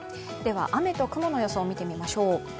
雨と曇の予想を見てみましょう。